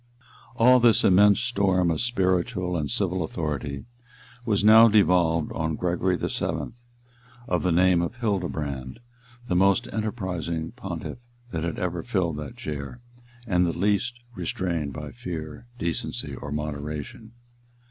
All this immense storm of spiritual and civil authority was now devolved on Gregory VII., of the name of Hildebrand, the most enterprising pontiff that had ever filled that chair, and the least restrained by fear, decency, or moderation.